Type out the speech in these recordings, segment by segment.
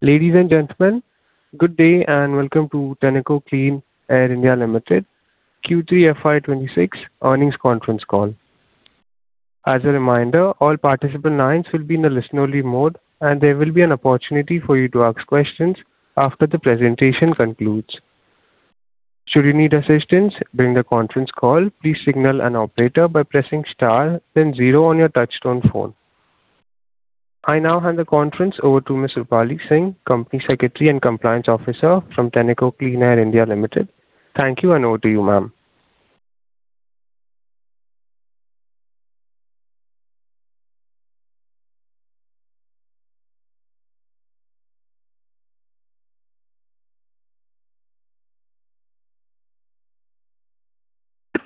Ladies and gentlemen, good day, and welcome to Tenneco Clean Air India Limited Q3 FY 2026 earnings conference call. As a reminder, all participant lines will be in a listen-only mode, and there will be an opportunity for you to ask questions after the presentation concludes. Should you need assistance during the conference call, please signal an operator by pressing star, then zero on your touchtone phone. I now hand the conference over to Ms. Roopali Singh, Company Secretary and Compliance Officer from Tenneco Clean Air India Limited. Thank you, and over to you, ma'am.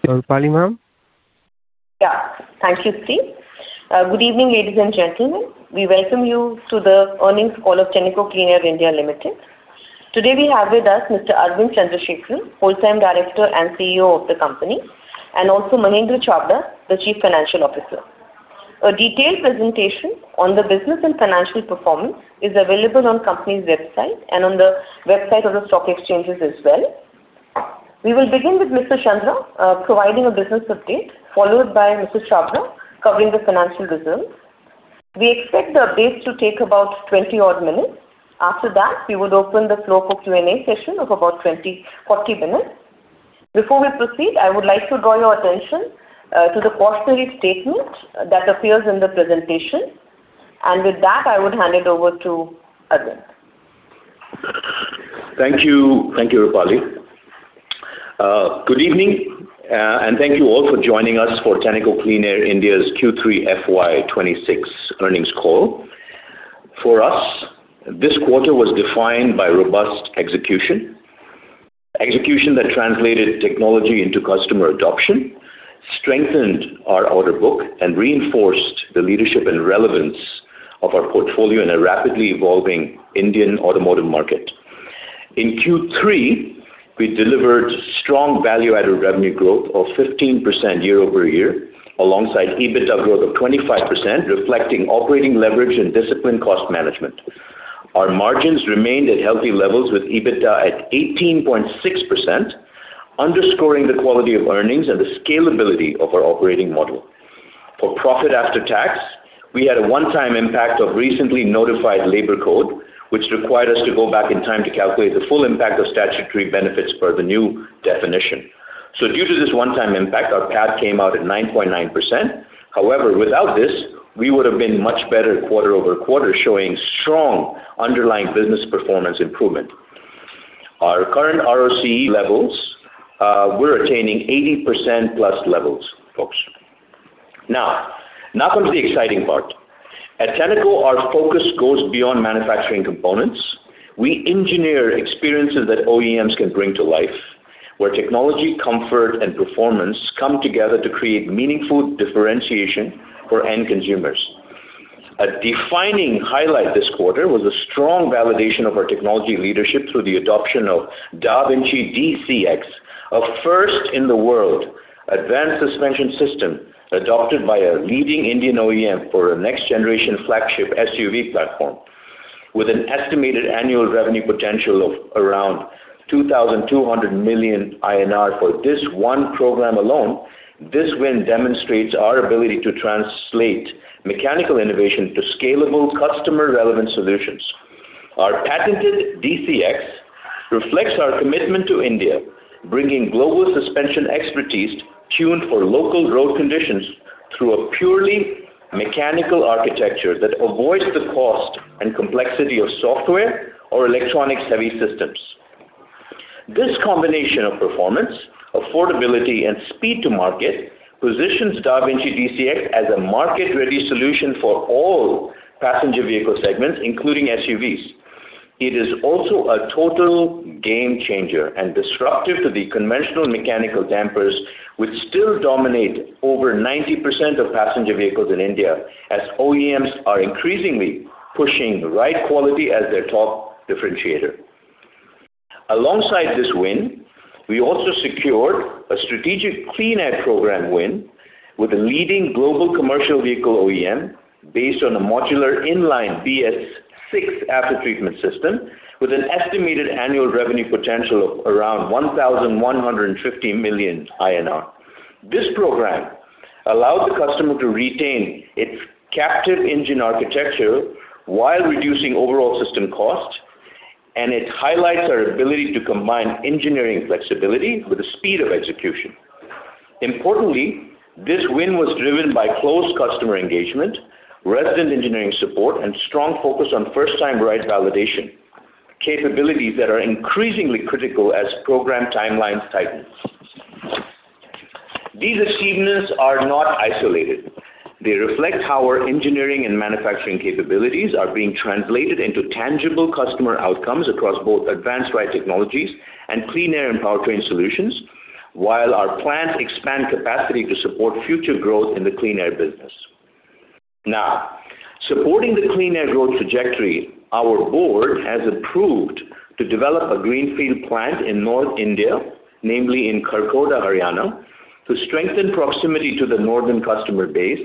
Roopali, ma'am? Yeah. Thank you, Sri. Good evening, ladies and gentlemen. We welcome you to the earnings call of Tenneco Clean Air India Limited. Today, we have with us Mr. Arvind Chandra, Whole-time Director and CEO of the company, and also Mahender Chhabra, the Chief Financial Officer. A detailed presentation on the business and financial performance is available on the company's website and on the website of the stock exchanges as well. We will begin with Mr. Chandra providing a business update, followed by Mr. Chhabra covering the financial results. We expect the updates to take about 20-odd minutes. After that, we will open the floor for Q&A session of about 20-40 minutes. Before we proceed, I would like to draw your attention to the cautionary statement that appears in the presentation. And with that, I would hand it over to Arvind. Thank you. Thank you, Roopali. Good evening, and thank you all for joining us for Tenneco Clean Air India's Q3 FY 2026 earnings call. For us, this quarter was defined by robust execution. Execution that translated technology into customer adoption, strengthened our order book, and reinforced the leadership and relevance of our portfolio in a rapidly evolving Indian automotive market. In Q3, we delivered strong value-added revenue growth of 15% year-over-year, alongside EBITDA growth of 25%, reflecting operating leverage and disciplined cost management. Our margins remained at healthy levels, with EBITDA at 18.6%, underscoring the quality of earnings and the scalability of our operating model. For profit after tax, we had a one-time impact of recently notified labor code, which required us to go back in time to calculate the full impact of statutory benefits per the new definition. So due to this one-time impact, our PAT came out at 9.9%. However, without this, we would have been much better quarter-over-quarter, showing strong underlying business performance improvement. Our current ROCE levels, we're attaining 80%+ levels, folks. Now, now comes the exciting part. At Tenneco, our focus goes beyond manufacturing components. We engineer experiences that OEMs can bring to life, where technology, comfort, and performance come together to create meaningful differentiation for end consumers. A defining highlight this quarter was a strong validation of our technology leadership through the adoption of DaVinci DCx, a first-in-the-world advanced suspension system adopted by a leading Indian OEM for a next-generation flagship SUV platform. With an estimated annual revenue potential of around 2,200 million INR for this one program alone, this win demonstrates our ability to translate mechanical innovation to scalable, customer-relevant solutions. Our patented DCx reflects our commitment to India, bringing global suspension expertise tuned for local road conditions through a purely mechanical architecture that avoids the cost and complexity of software or electronic-heavy systems. This combination of performance, affordability, and speed to market positions DaVinci DCx as a market-ready solution for all passenger vehicle segments, including SUVs. It is also a total game changer and disruptive to the conventional mechanical dampers, which still dominate over 90% of passenger vehicles in India, as OEMs are increasingly pushing the ride quality as their top differentiator. Alongside this win, we also secured a strategic Clean Air program win with a leading global commercial vehicle OEM based on a modular in-line BS-VI aftertreatment system, with an estimated annual revenue potential of around 1,150 million INR. This program allows the customer to retain its captive engine architecture while reducing overall system cost, and it highlights our ability to combine engineering flexibility with the speed of execution. Importantly, this win was driven by close customer engagement, resident engineering support, and strong focus on first-time ride validation, capabilities that are increasingly critical as program timelines tighten. These achievements are not isolated. They reflect how our engineering and manufacturing capabilities are being translated into tangible customer outcomes across both Advanced Ride Technologies and Clean Air and Powertrain solutions, while our plants expand capacity to support future growth in the Clean Air business. Now, supporting the Clean Air growth trajectory, our board has approved to develop a greenfield plant in North India, namely in Kharkhoda, Haryana, to strengthen proximity to the northern customer base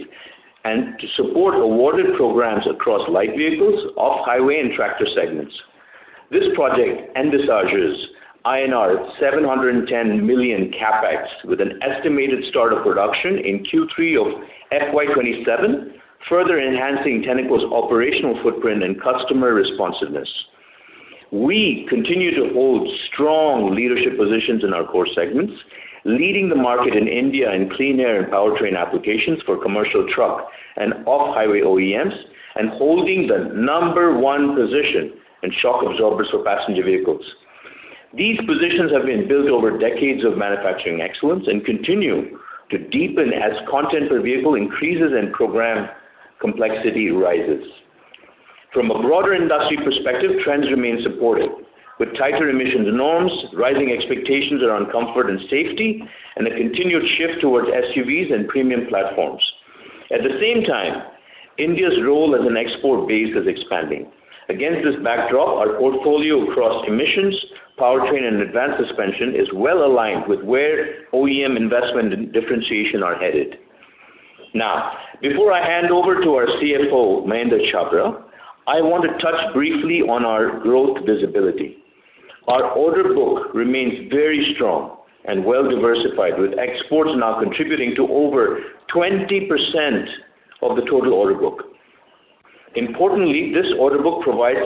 and to support awarded programs across light vehicles, off-highway, and tractor segments. This project envisages INR 710 million CapEx, with an estimated start of production in Q3 of FY 2027, further enhancing Tenneco's operational footprint and customer responsiveness. We continue to hold strong leadership positions in our core segments, leading the market in India, in Clean Air, and Powertrain applications for commercial truck and off-highway OEMs, and holding the number one position in shock absorbers for passenger vehicles. These positions have been built over decades of manufacturing excellence and continue to deepen as content per vehicle increases and program complexity rises. From a broader industry perspective, trends remain supported, with tighter emissions norms, rising expectations around comfort and safety, and a continued shift towards SUVs and premium platforms. At the same time, India's role as an export base is expanding. Against this backdrop, our portfolio across emissions, Powertrain, and advanced suspension is well aligned with where OEM investment and differentiation are headed. Now, before I hand over to our CFO, Mahender Chhabra, I want to touch briefly on our growth visibility. Our order book remains very strong and well diversified, with exports now contributing to over 20% of the total order book. Importantly, this order book provides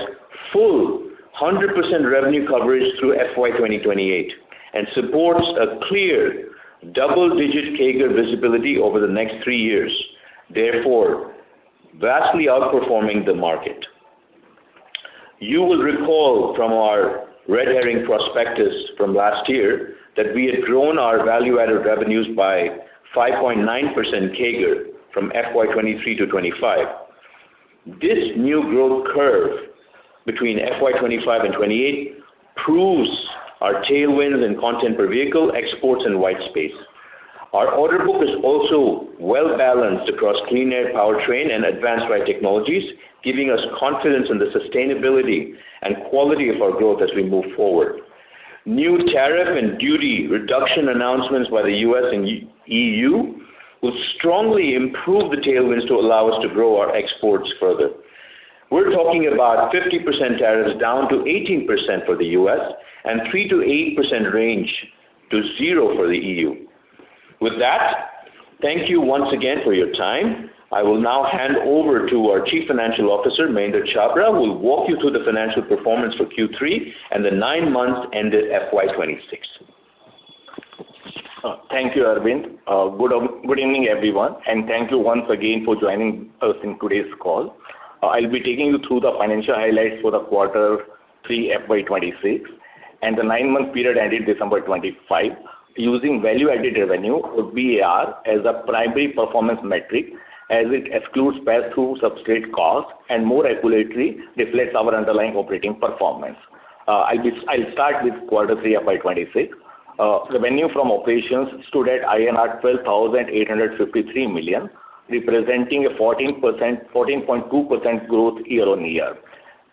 full 100% revenue coverage through FY 2028 and supports a clear double-digit CAGR visibility over the next three years, therefore vastly outperforming the market. You will recall from our red herring prospectus from last year, that we had grown our value-added revenues by 5.9% CAGR from FY 2023 to 2025. This new growth curve between FY 2025 and 2028 proves our tailwinds and content per vehicle, exports, and white space. Our order book is also well balanced across Clean Air Powertrain and Advanced Ride Technologies, giving us confidence in the sustainability and quality of our growth as we move forward. New tariff and duty reduction announcements by the U.S. and EU will strongly improve the tailwinds to allow us to grow our exports further. We're talking about 50% tariffs, down to 18% for the U.S. and 3%-8% range to 0% for the EU. With that, thank you once again for your time. I will now hand over to our Chief Financial Officer, Mahender Chhabra, who will walk you through the financial performance for Q3 and the nine months ended FY 2026. Thank you, Arvind. Good evening, everyone, and thank you once again for joining us in today's call. I'll be taking you through the financial highlights for quarter three, FY 2026, and the nine-month period ending December 2025, using value-added revenue, VAR, as a primary performance metric, as it excludes pass-through substrate cost and more accurately reflects our underlying operating performance. I'll start with quarter three of FY 2026. Revenue from operations stood at INR 12,853 million, representing a 14.2% growth year-on-year.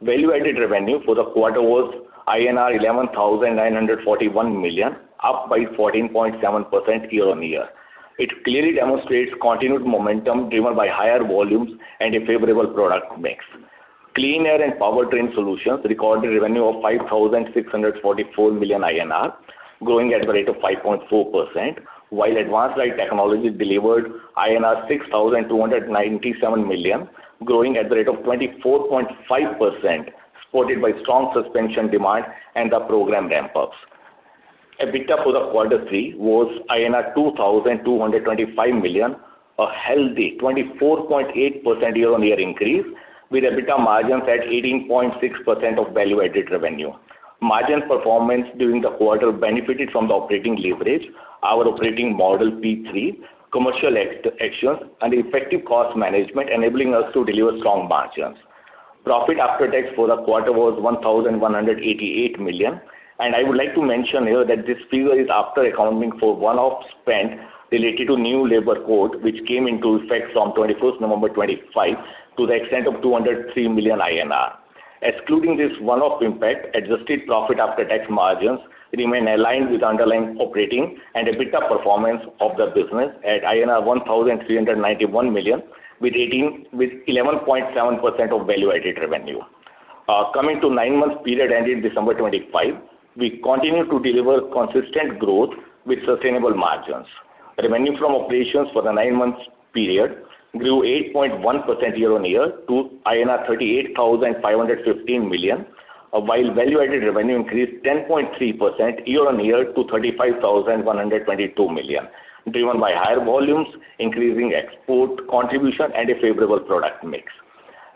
Value-added revenue for the quarter was INR 11,941 million, up by 14.7% year-on-year. It clearly demonstrates continued momentum driven by higher volumes and a favorable product mix. Clean Air and Powertrain solutions recorded revenue of INR 5,644 million, growing at the rate of 5.4%, while advanced ride technology delivered INR 6,297 million, growing at the rate of 24.5%, supported by strong suspension demand and the program ramp-ups. EBITDA for quarter three was INR 2,225 million, a healthy 24.8% year-on-year increase, with EBITDA margins at 18.6% of value-added revenue. Margin performance during the quarter benefited from the operating leverage, our operating model P3, commercial executions, and effective cost management, enabling us to deliver strong margins. Profit after tax for the quarter was 1,188 million, and I would like to mention here that this figure is after accounting for one-off spend related to new labor code, which came into effect from 21st November 2025, to the extent of 203 million INR. Excluding this one-off impact, adjusted profit after tax margins remain aligned with underlying operating and EBITDA performance of the business at INR 1,391 million, with 11.7% of value-added revenue. Coming to nine-month period, ending December 2025, we continued to deliver consistent growth with sustainable margins. Revenue from operations for the nine-month period grew 8.1% year-over-year, to INR 38,515 million, while value-added revenue increased 10.3% year-over-year, to 35,122 million, driven by higher volumes, increasing export contribution, and a favorable product mix.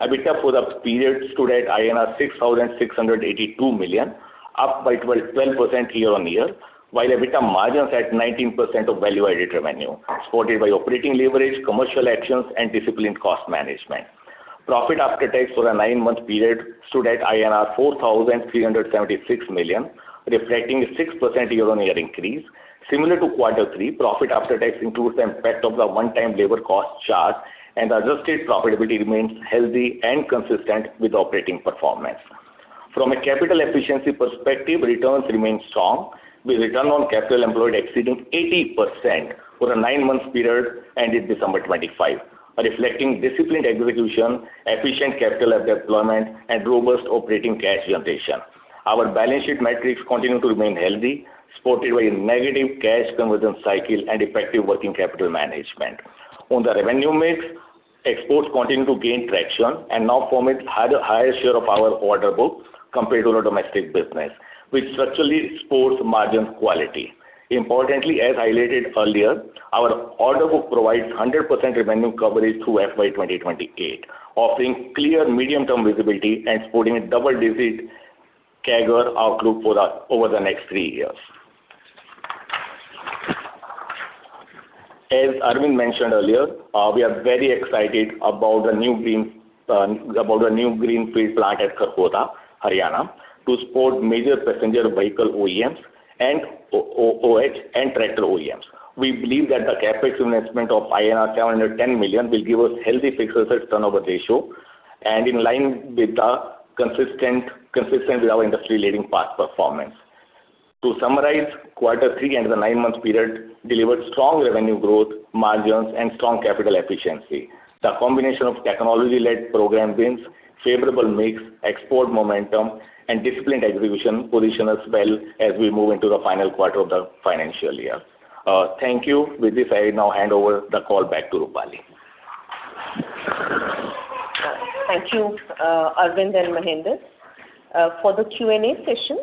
EBITDA for the period stood at INR 6,682 million, up by 12% year-over-year, while EBITDA margins at 19% of value-added revenue, supported by operating leverage, commercial actions, and disciplined cost management. Profit after tax for the nine-month period stood at INR 4,376 million, reflecting a 6% year-over-year increase. Similar to quarter three, profit after tax includes the impact of the one-time labor cost charge, and the adjusted profitability remains healthy and consistent with operating performance. From a capital efficiency perspective, returns remain strong, with return on capital employed exceeding 80% for the nine-month period ended December 25, by reflecting disciplined execution, efficient capital deployment, and robust operating cash generation. Our balance sheet metrics continue to remain healthy, supported by a negative cash conversion cycle and effective working capital management. On the revenue mix, exports continue to gain traction and now form a higher share of our order book compared to the domestic business, which structurally supports margin quality. Importantly, as highlighted earlier, our order book provides 100% revenue coverage through FY 2028, offering clear medium-term visibility and supporting a double-digit CAGR outlook over the next three years. As Arvind mentioned earlier, we are very excited about the new greenfield plant at Kharkhoda, Haryana, to support major passenger vehicle OEMs and OH and tractor OEMs. We believe that the CapEx investment of INR 710 million will give us healthy fixed asset turnover ratio, and in line with the consistent with our industry-leading past performance. To summarize, quarter three and the nine-month period delivered strong revenue growth, margins, and strong capital efficiency. The combination of technology-led program wins, favorable mix, export momentum, and disciplined execution position us well as we move into the final quarter of the financial year. Thank you. With this, I now hand over the call back to Roopali. Thank you, Arvind and Mahender. For the Q&A session,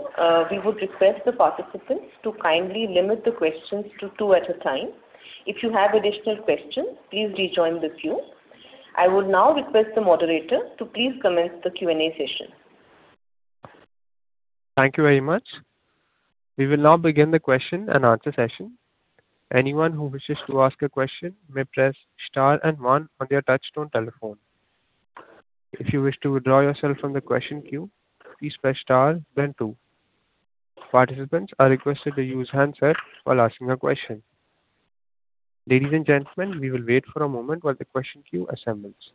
we would request the participants to kindly limit the questions to two at a time. If you have additional questions, please rejoin the queue. I would now request the moderator to please commence the Q&A session. Thank you very much. We will now begin the question and answer session. Anyone who wishes to ask a question may press star and one on their touchtone telephone. If you wish to withdraw yourself from the question queue, please press star, then two. Participants are requested to use handset while asking a question. Ladies and gentlemen, we will wait for a moment while the question queue assembles.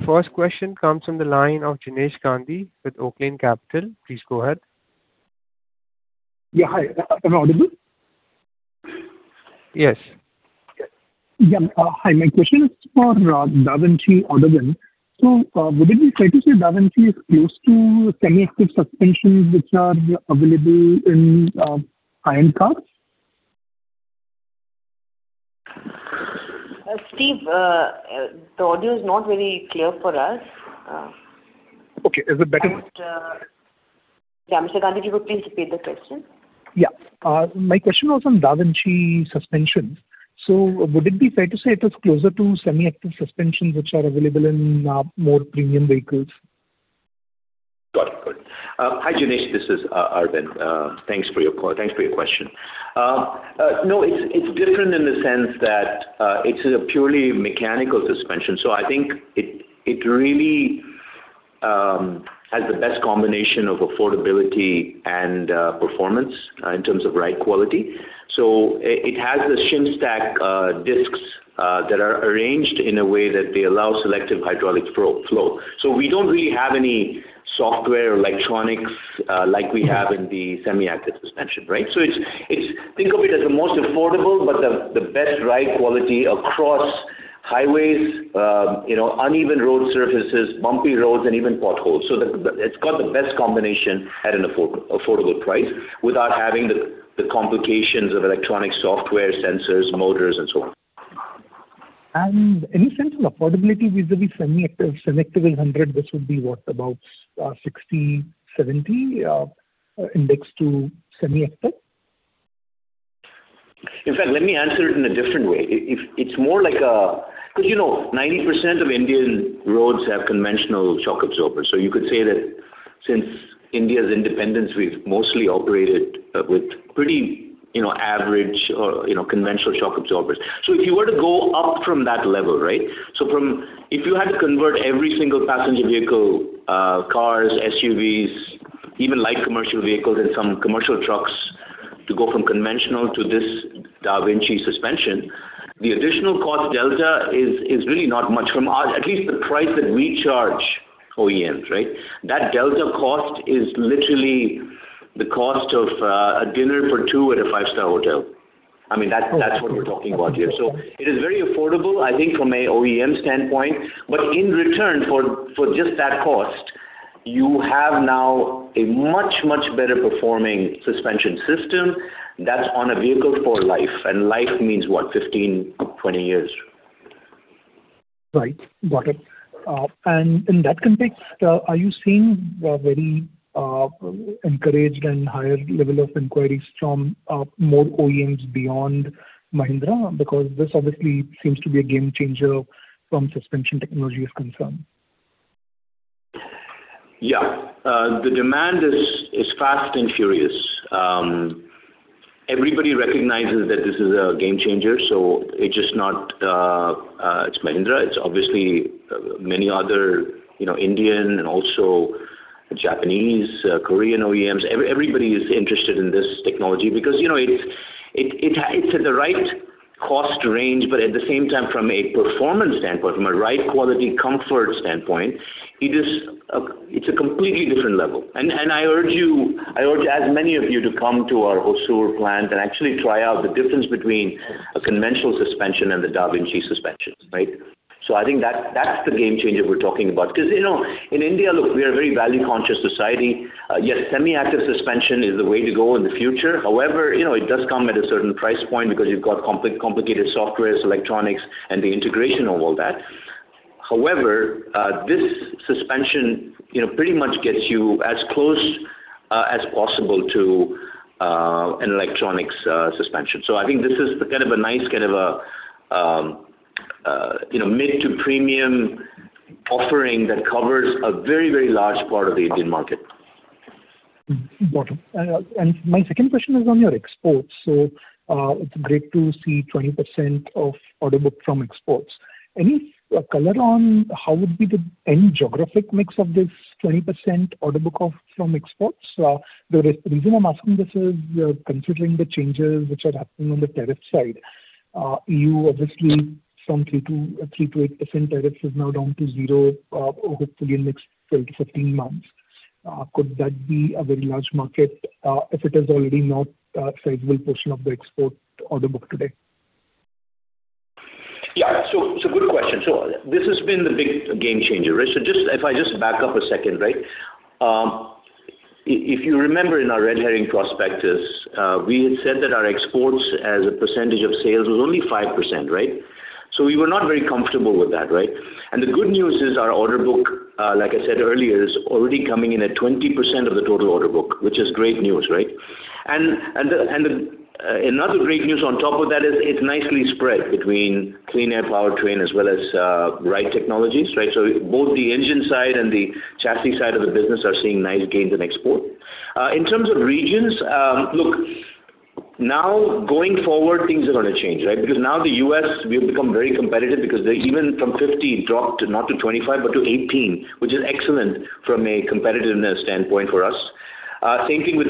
The first question comes from the line of Jinesh Gandhi with Oaklane Capital. Please go ahead. Yeah, hi. Am I audible? Yes. Yeah. Hi. My question is for DaVinci algorithm. So, would it be fair to say DaVinci is close to semi-active suspensions, which are available in iron cars? Steve, the audio is not very clear for us. Okay. Is it better now? Yeah, Mr. Gandhi, if you would please repeat the question. Yeah. My question was on DaVinci suspensions. So would it be fair to say it was closer to semi-active suspensions, which are available in more premium vehicles? Got it. Good. Hi, Jinesh. This is Arvind. Thanks for your call—thanks for your question. No, it's different in the sense that it's a purely mechanical suspension, so I think it really has the best combination of affordability and performance in terms of ride quality. So it has the shim stack discs that are arranged in a way that they allow selective hydraulic flow. So we don't really have any software or electronics like we have in the semi-active suspension, right? So it's—think of it as the most affordable, but the best ride quality across highways, you know, uneven road surfaces, bumpy roads, and even potholes. So it's got the best combination at an affordable price without having the complications of electronic software, sensors, motors, and so on. Any sense on affordability vis-à-vis semi-active, selective 800, which would be, what, about 60, 70 indexed to semi-active? In fact, let me answer it in a different way. If it's more like a... 'Cause, you know, 90% of Indian roads have conventional shock absorbers. So you could say that since India's independence, we've mostly operated with pretty, you know, average or, you know, conventional shock absorbers. So if you were to go up from that level, right? So from, if you had to convert every single passenger vehicle, cars, SUVs, even light commercial vehicles and some commercial trucks to go from conventional to this DaVinci suspension, the additional cost delta is really not much. From our, at least the price that we charge OEMs, right? That delta cost is literally the cost of a dinner for two at a five-star hotel. I mean, that's what we're talking about here. So it is very affordable, I think, from an OEM standpoint, but in return for, for just that cost, you have now a much, much better performing suspension system that's on a vehicle for life, and life means what? 15-20 years. Right. Got it. In that context, are you seeing a very encouraged and higher level of inquiries from more OEMs beyond Mahindra? Because this obviously seems to be a game changer from suspension technology is concerned. Yeah. The demand is fast and furious. Everybody recognizes that this is a game changer, so it's just not—it's Mahindra. It's obviously many other, you know, Indian and also the Japanese, Korean OEMs. Everybody is interested in this technology because, you know, it's at the right cost range, but at the same time, from a performance standpoint, from a ride quality, comfort standpoint, it is a completely different level. And I urge you, I urge as many of you to come to our Hosur plant and actually try out the difference between a conventional suspension and the DaVinci suspension, right? So I think that's the game changer we're talking about. Because, you know, in India, look, we are a very value-conscious society. Yes, semi-active suspension is the way to go in the future. However, you know, it does come at a certain price point because you've got complicated softwares, electronics, and the integration of all that. However, this suspension, you know, pretty much gets you as close as possible to an electronics suspension. So I think this is kind of a nice, kind of a, you know, mid to premium offering that covers a very, very large part of the Indian market. Got it. And my second question is on your exports. So, it's great to see 20% of order book from exports. Any color on how would be the end geographic mix of this 20% order book from exports? The reason I'm asking this is, considering the changes which are happening on the tariff side, you obviously from 3%-8% tariffs is now down to zero, hopefully in next 12-15 months. Could that be a very large market, if it is already not a sizable portion of the export order book today? Yeah. So, it's a good question. So this has been the big game changer, right? So just, if I just back up a second, right? If you remember in our red herring prospectus, we had said that our exports as a percentage of sales was only 5%, right? So we were not very comfortable with that, right? And the good news is, our order book, like I said earlier, is already coming in at 20% of the total order book, which is great news, right? And, and the, and the, another great news on top of that is, it's nicely spread between Clean Air, Powertrain as well as, Ride Technologies, right? So both the engine side and the chassis side of the business are seeing nice gains in export. In terms of regions, look, now, going forward, things are gonna change, right? Because now the U.S., we've become very competitive because they even from 15 dropped not to 25, but to 18, which is excellent from a competitiveness standpoint for us. Same thing with,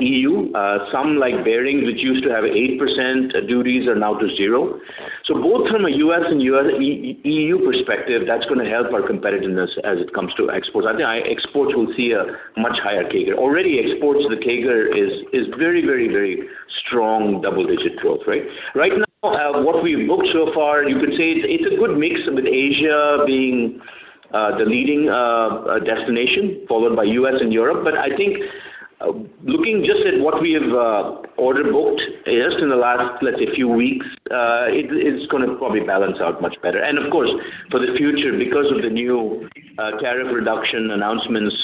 EU. Some, like, bearings, which used to have 8% duties, are now to 0. So both from a U.S. and E.U. perspective, that's gonna help our competitiveness as it comes to exports. I think our exports will see a much higher CAGR. Already, exports, the CAGR is, is very, very, very strong, double-digit growth, right? Right now, what we've booked so far, you could say it's, it's a good mix, with Asia being, the leading, destination, followed by U.S. and Europe. I think, looking just at what we have, order booked just in the last, let's say, few weeks, it is gonna probably balance out much better. Of course, for the future, because of the new tariff reduction announcements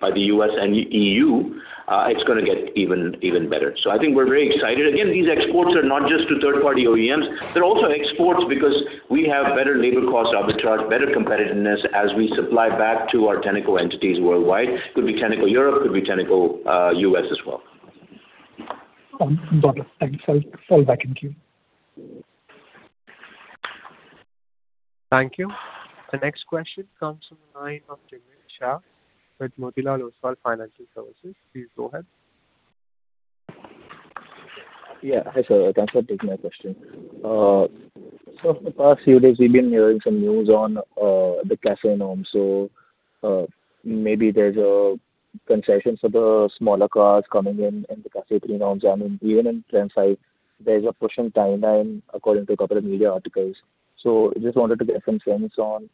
by the U.S. and E.U., it's gonna get even, even better. I think we're very excited. Again, these exports are not just to third-party OEMs, they're also exports because we have better labor cost arbitrage, better competitiveness as we supply back to our Tenneco entities worldwide. Could be Tenneco Europe, could be Tenneco U.S. as well. Got it. Thank you, sir. Fall back in queue. Thank you. The next question comes from the line of Jeemit Shah with Motilal Oswal Financial Services. Please go ahead. Yeah. Hi, sir. Thanks for taking my question. So in the past few days, we've been hearing some news on the CAFE norms. So maybe there's a concessions for the smaller cars coming in, in the CAFE III norms. I mean, even in TREM V, there's a pushing timeline, according to a couple of media articles. So just wanted to get some sense on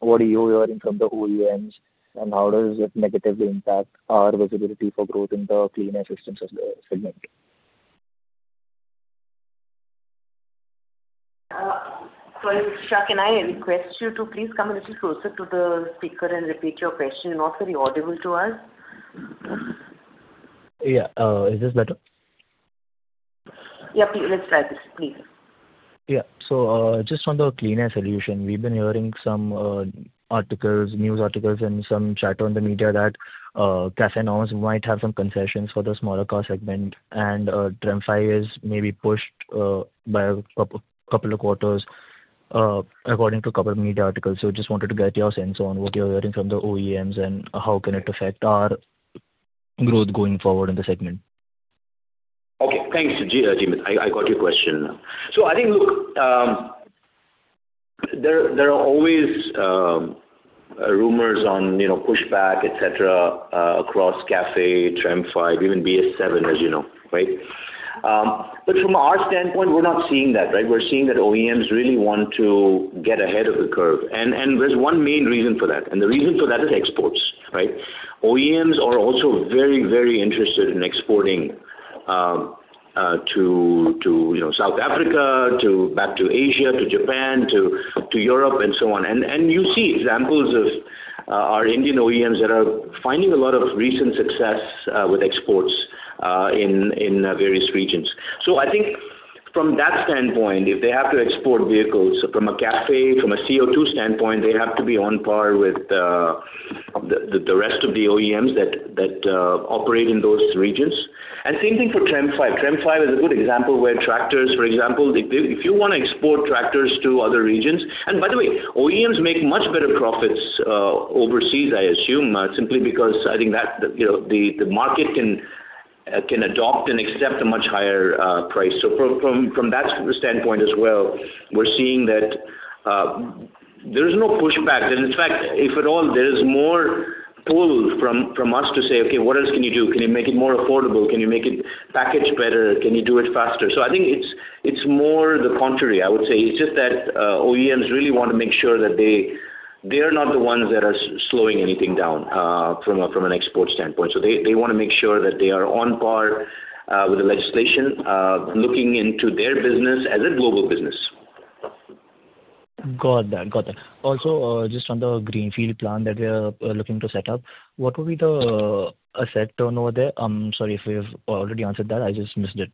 what are you hearing from the OEMs, and how does it negatively impact our visibility for growth in the Clean Air systems as a segment? Sorry, Shah, can I request you to please come a little closer to the speaker and repeat your question? You're not very audible to us. Yeah, is this better? Yeah, please, let's try this, please. Yeah. So, just on the Clean Air Solution, we've been hearing some articles, news articles, and some chatter on the media that CAFE norms might have some concessions for the smaller car segment, and TREM V is maybe pushed by a couple of quarters according to a couple of media articles. So just wanted to get your sense on what you're hearing from the OEMs and how can it affect our growth going forward in the segment. Okay, thanks, Jeemit. I got your question now. So I think, look, there are always rumors on, you know, pushback, et cetera, across CAFE, TREM V, even BS VII, as you know, right? But from our standpoint, we're not seeing that, right? We're seeing that OEMs really want to get ahead of the curve, and there's one main reason for that, and the reason for that is exports, right? OEMs are also very, very interested in exporting to, you know, South Africa, to back to Asia, to Japan, to Europe, and so on. And you see examples of our Indian OEMs that are finding a lot of recent success with exports in various regions. So I think from that standpoint, if they have to export vehicles from a CAFE, from a CO2 standpoint, they have to be on par with the rest of the OEMs that operate in those regions. And same thing for TREM V. TREM V is a good example where tractors, for example, if you wanna export tractors to other regions. And by the way, OEMs make much better profits overseas, I assume, simply because I think that, you know, the market can adopt and accept a much higher price. So from that standpoint as well, we're seeing that there is no pushback. And in fact, if at all, there is more pull from us to say, "Okay, what else can you do? Can you make it more affordable? Can you make it packaged better? Can you do it faster?" So I think it's more the contrary, I would say. It's just that, OEMs really wanna make sure that they are not the ones that are slowing anything down, from an export standpoint. So they wanna make sure that they are on par, with the legislation, looking into their business as a global business. Got that. Got that. Also, just on the greenfield plant that we are looking to set up, what would be the asset turnover there? Sorry if you've already answered that, I just missed it.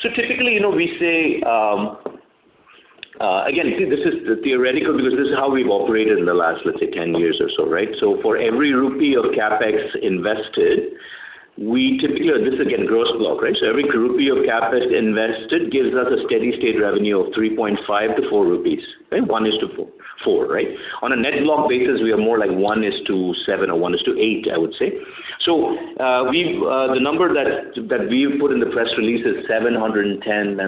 So typically, you know, we say. Again, see, this is theoretical because this is how we've operated in the last, let's say, 10 years or so, right? So for every rupee of CapEx invested, we typically. This is again, gross block, right? So every rupee of CapEx invested gives us a steady state revenue of 3.5-4 rupees, right? 1 to 4, 4, right? On a net block basis, we are more like 1 to 7 or 1 to 8, I would say. So, we've, the number that, that we've put in the press release is 710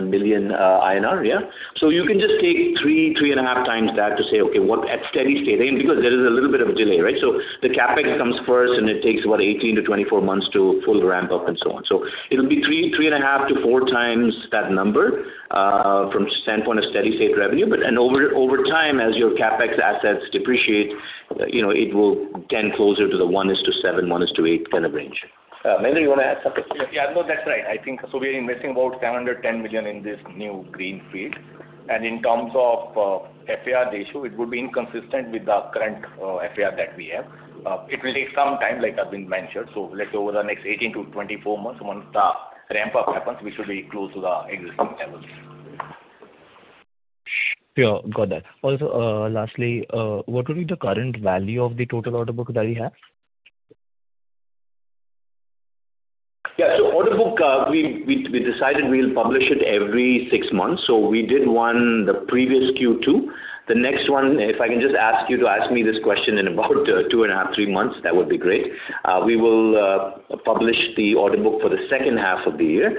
million INR, yeah. So you can just take 3, 3.5 times that to say, "Okay, what..." At steady state, and because there is a little bit of a delay, right? So the CapEx comes first, and it takes about 18-24 months to full ramp up and so on. So it'll be 3, 3.5-4 times that number from standpoint of steady state revenue. But... And over time, as your CapEx assets depreciate, you know, it will tend closer to the 1:7, 1:8 kind of range. Maynard, you wanna add something? Yeah, no, that's right. I think, so we are investing about 710 million in this new greenfield. In terms of, FAT ratio, it would be inconsistent with the current, FAT that we have. It will take some time, like I've been mentioned, so let's say over the next 18-24 months, once the ramp-up happens, we should be close to the existing levels. Sure, got that. Also, lastly, what would be the current value of the total order book that we have? Yeah, so order book, we decided we'll publish it every six months, so we did one the previous Q2. The next one, if I can just ask you to ask me this question in about 2.5-3 months, that would be great. We will publish the order book for the second half of the year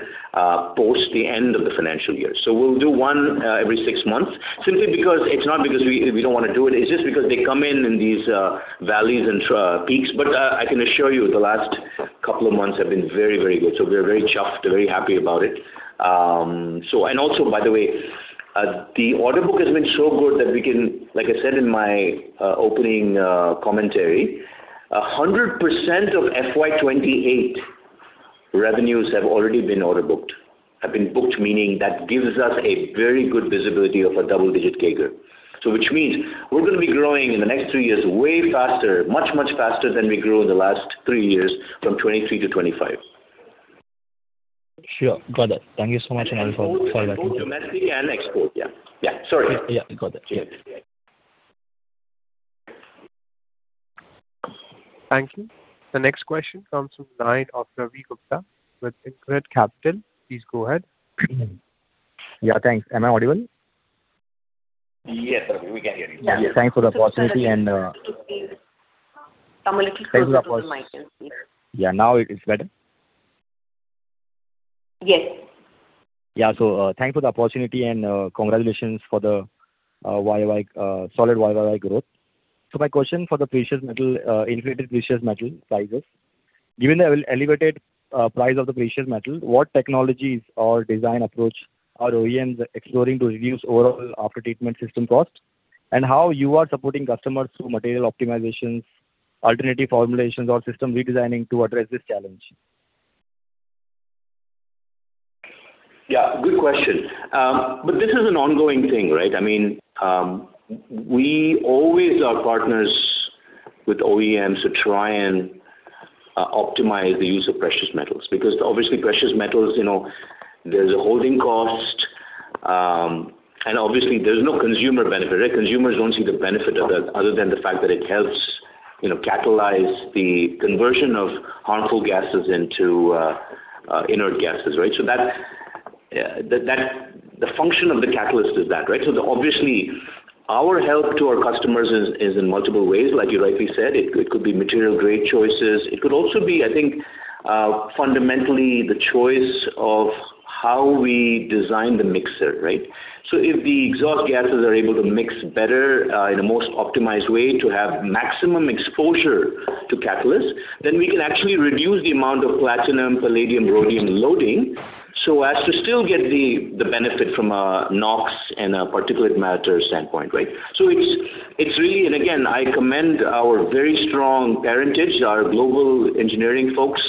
post the end of the financial year. So we'll do one every six months. Simply because it's not because we don't wanna do it, it's just because they come in in these valleys and peaks. But I can assure you, the last couple of months have been very, very good, so we're very chuffed and very happy about it. So... And also, by the way, the order book has been so good that we can, like I said in my opening commentary, 100% of FY 2028 revenues have already been order booked. Have been booked, meaning that gives us a very good visibility of a double-digit CAGR. So which means we're gonna be growing in the next three years, way faster, much, much faster than we grew in the last three years, from 2023 to 2025. Sure. Got that. Thank you so much and- Both domestically and export. Yeah. Yeah, sorry. Yeah, got it. Yeah. Thank you. The next question comes from the line of Ravi Gupta with InCred Capital. Please go ahead. Yeah, thanks. Am I audible? Yes, Ravi, we can hear you. Thanks for the opportunity and, Come a little closer to the mic. Yeah, now it is better? Yes. Yeah, so, thanks for the opportunity and, congratulations for the, YoY, solid YoY growth. So my question for the precious metal, inflated precious metal prices, given the elevated, price of the precious metal, what technologies or design approach are OEMs exploring to reduce overall aftertreatment system costs? And how you are supporting customers through material optimizations, alternative formulations, or system redesigning to address this challenge? Yeah, good question. But this is an ongoing thing, right? I mean, we always are partners with OEMs to try and optimize the use of precious metals, because obviously, precious metals, you know, there's a holding cost, and obviously, there's no consumer benefit, right? Consumers don't see the benefit of that, other than the fact that it helps, you know, catalyze the conversion of harmful gases into inert gases, right? So that, that. That... The function of the catalyst is that, right? So obviously, our help to our customers is in multiple ways, like you rightly said. It could be material grade choices. It could also be, I think, fundamentally, the choice of how we design the mixer, right? So if the exhaust gases are able to mix better in a most optimized way to have maximum exposure to catalyst, then we can actually reduce the amount of platinum, palladium, rhodium loading, so as to still get the benefit from a NOx and a particulate matter standpoint, right? So it's really... And again, I commend our very strong parentage, our global engineering folks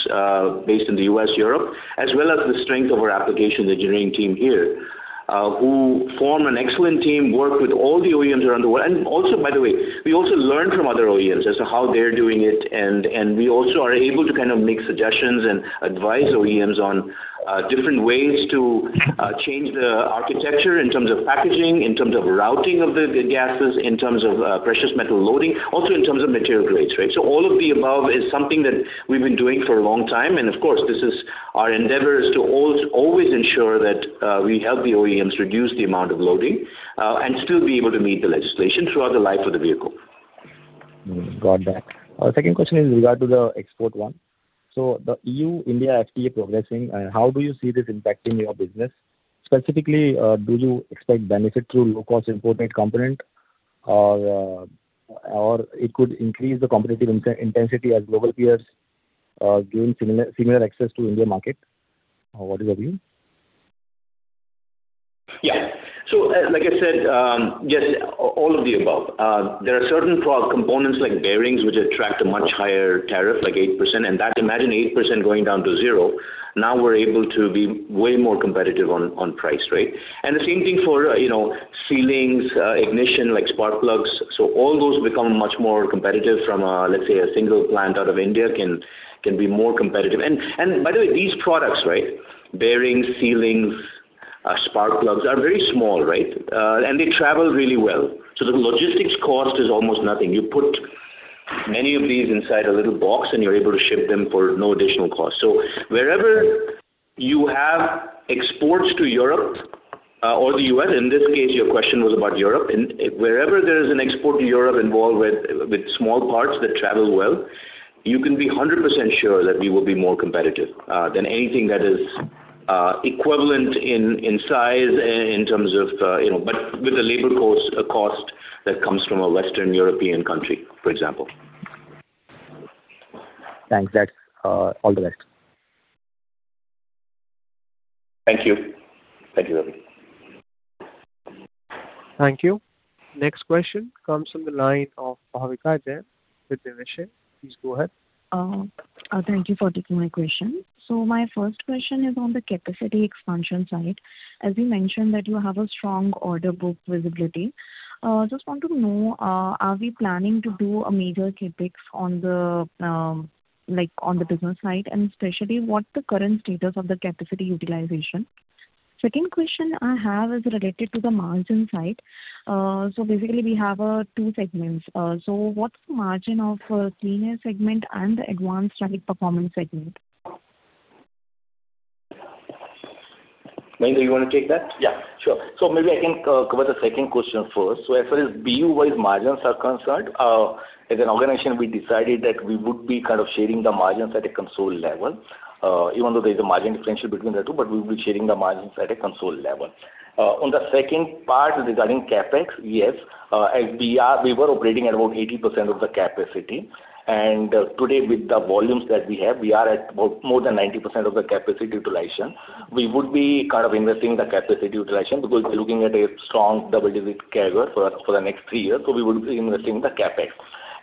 based in the U.S., Europe, as well as the strength of our application engineering team here, who form an excellent team, work with all the OEMs around the world. And also, by the way, we also learn from other OEMs as to how they're doing it, and we also are able to kind of make suggestions and advise OEMs on different ways to change the architecture in terms of packaging, in terms of routing of the gases, in terms of precious metal loading, also in terms of material grades, right? So all of the above is something that we've been doing for a long time, and of course, this is our endeavor, is to always ensure that we help the OEMs reduce the amount of loading and still be able to meet the legislation throughout the life of the vehicle. Got that. Second question is regarding the export one. So the EU-India FTA progressing, and how do you see this impacting your business? Specifically, do you expect benefit through low-cost imported component, or it could increase the competitive intensity as global peers gain similar access to Indian market? What is your view? Yeah. So, like I said, just all of the above. There are certain product components like bearings, which attract a much higher tariff, like 8%, and that—imagine 8% going down to zero, now we're able to be way more competitive on, on price, right? And the same thing for, you know, sealings, ignition, like spark plugs. So all those become much more competitive from a, let's say, a single plant out of India can, can be more competitive. And, by the way, these products, right, bearings, sealings, spark plugs, are very small, right? And they travel really well, so the logistics cost is almost nothing. You put many of these inside a little box, and you're able to ship them for no additional cost. So wherever you have exports to Europe, or the U.S., in this case, your question was about Europe, and wherever there is an export to Europe involved with small parts that travel well, you can be 100% sure that we will be more competitive than anything that is equivalent in size, in terms of, you know, but with the labor cost, a cost that comes from a Western European country, for example. Thanks. That's... All the best. Thank you. Thank you, Ravi. Thank you. Next question comes from the line of Bhavika Singhvi with Niveshaay. Please go ahead. Thank you for taking my question. So my first question is on the capacity expansion side. As you mentioned, that you have a strong order book visibility. Just want to know, are we planning to do a major CapEx on the, like, on the business side, and especially, what the current status of the capacity utilization? Second question I have is related to the margin side. So basically, we have two segments. So what's the margin of cleaner segment and the advanced traffic performance segment? Mahindra, you want to take that? Yeah, sure. So maybe I can cover the second question first. So as far as BU-wise margins are concerned, as an organization, we decided that we would be kind of sharing the margins at a consolidated level, even though there is a margin differential between the two, but we will be sharing the margins at a consolidated level. On the second part, regarding CapEx, yes, as we are, we were operating at about 80% of the capacity, and, today, with the volumes that we have, we are at about more than 90% of the capacity utilization. We would be kind of investing the capacity utilization because we're looking at a strong double-digit CAGR for the next 3 years, so we would be investing the CapEx.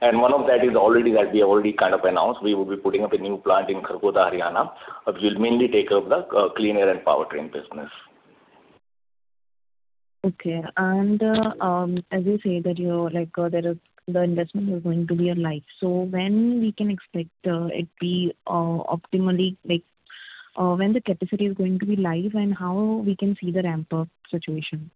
One of that is already, that we already kind of announced, we will be putting up a new plant in Kharkhoda, Haryana, which will mainly take up the Clean Air and Powertrain business. Okay. And, as you say, that you're like, there is, the investment is going to be alive. So when we can expect it be optimally, like, when the capacity is going to be live, and how we can see the ramp-up situation?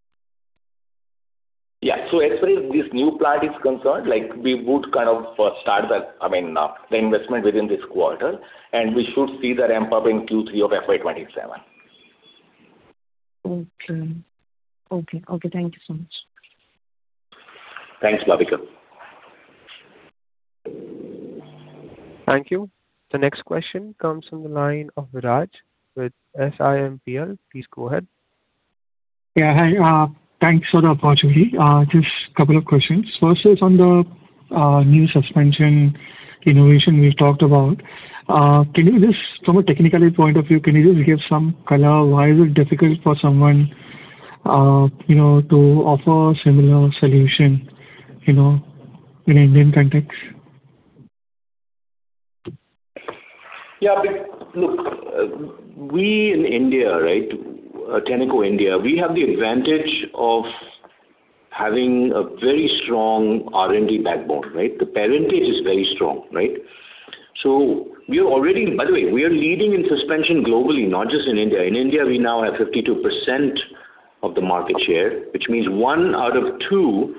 Yeah. So as far as this new plant is concerned, like, we would kind of first start the, I mean, the investment within this quarter, and we should see the ramp-up in Q3 of FY 2027. Okay. Okay, okay. Thank you so much. Thanks, Bhavika. Thank you. The next question comes from the line of Viraj with SiMPL. Please go ahead. Yeah. Hi, thanks for the opportunity. Just couple of questions. First is on the new suspension innovation you talked about. Can you just, from a technical point of view, can you just give some color? Why is it difficult for someone, you know, to offer a similar solution, you know, in Indian context? Yeah, but look, we in India, right, Tenneco India, we have the advantage of having a very strong R&D backbone, right? The parentage is very strong, right? So we are already—by the way, we are leading in suspension globally, not just in India. In India, we now have 52% of the market share, which means one out of two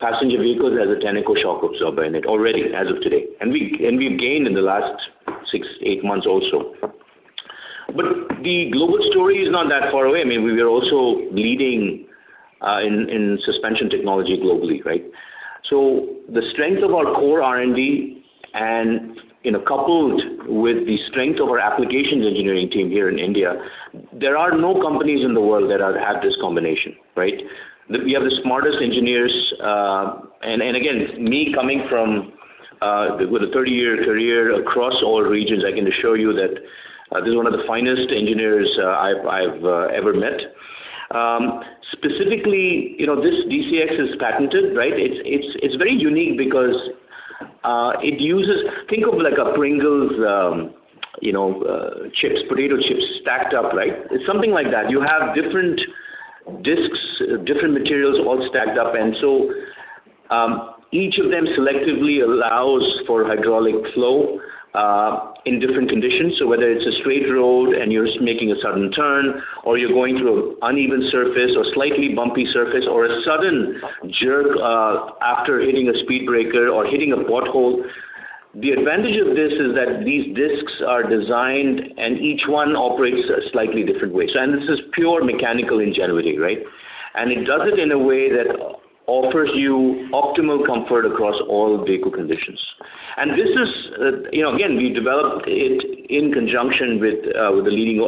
passenger vehicles has a Tenneco shock absorber in it already, as of today, and we, and we've gained in the last six, eight months also. But the global story is not that far away. I mean, we are also leading in suspension technology globally, right? So the strength of our core R&D, and, you know, coupled with the strength of our applications engineering team here in India, there are no companies in the world that have this combination, right? We have the smartest engineers, and again, me coming from with a 30-year career across all regions, I can assure you that this is one of the finest engineers I've ever met. Specifically, you know, this DCx is patented, right? It's very unique because it uses, think of like a Pringles, you know, chips, potato chips stacked up, right? It's something like that. You have different disks, different materials, all stacked up, and so each of them selectively allows for hydraulic flow in different conditions. So whether it's a straight road and you're making a sudden turn, or you're going through an uneven surface or slightly bumpy surface, or a sudden jerk after hitting a speed breaker or hitting a pothole. The advantage of this is that these disks are designed, and each one operates a slightly different way. So and this is pure mechanical in generating, right? And it does it in a way that offers you optimal comfort across all vehicle conditions. And this is, you know, again, we developed it in conjunction with, with a leading,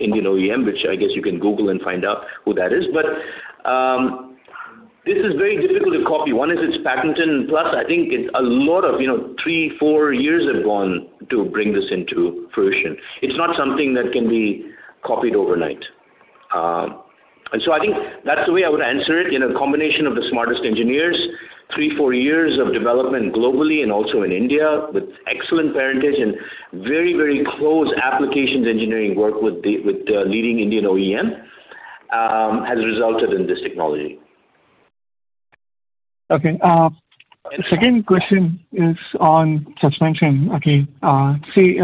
Indian OEM, which I guess you can Google and find out who that is. But, this is very difficult to copy. One is, it's patented, plus I think it's a lot of, you know, 3-4 years have gone to bring this into fruition. It's not something that can be copied overnight. So I think that's the way I would answer it, in a combination of the smartest engineers, 3-4 years of development globally and also in India, with excellent parentage and very, very close applications engineering work with the leading Indian OEM, has resulted in this technology. Okay, the second question is on suspension. Okay, see,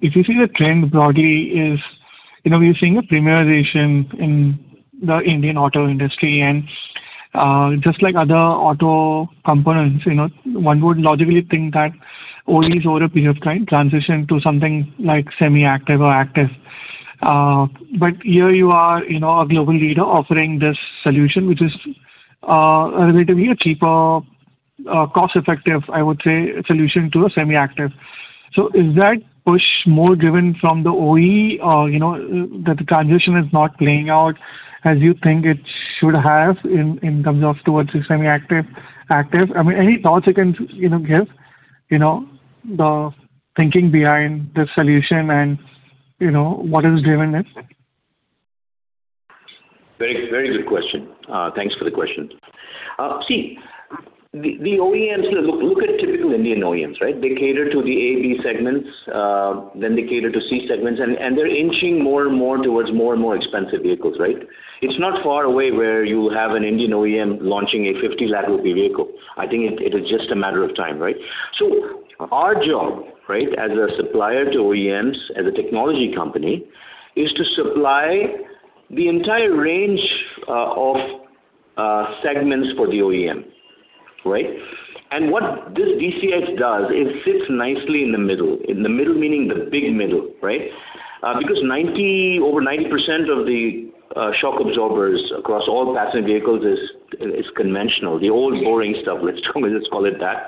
if you see the trend broadly is, you know, we are seeing a premiumization in the Indian auto industry, and, just like other auto components, you know, one would logically think that OEs over a period of time transition to something like semi-active or active. But here you are, you know, a global leader offering this solution, which is, relatively a cheaper, cost-effective, I would say, solution to a semi-active. So is that push more driven from the OE or, you know, that the transition is not playing out as you think it should have in, in terms of towards the semi-active, active? I mean, any thoughts you can, you know, give, you know, the thinking behind the solution and, you know, what is driving it? Very, very good question. Thanks for the question. See, the OEMs, look at typical Indian OEMs, right? They cater to the AB segments, then they cater to C segments, and they're inching more and more towards more and more expensive vehicles, right? It's not far away where you have an Indian OEM launching a 50 lakh rupee vehicle. I think it is just a matter of time, right? So our job, right, as a supplier to OEMs, as a technology company, is to supply the entire range of segments for the OEM. Right? And what this DCx does, it sits nicely in the middle. In the middle, meaning the big middle, right? Because over 90% of the shock absorbers across all passenger vehicles is conventional, the old, boring stuff. Let's call it that.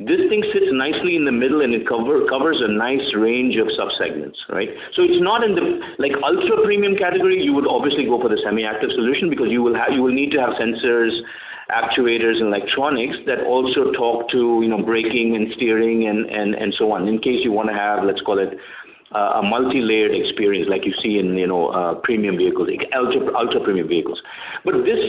This thing sits nicely in the middle, and it covers a nice range of subsegments, right? So it's not in the—like, ultra-premium category, you would obviously go for the semi-active solution because you will need to have sensors, actuators, and electronics that also talk to, you know, braking and steering and so on, in case you wanna have, let's call it, a multilayered experience, like you see in, you know, premium vehicles, ultra-premium vehicles. But this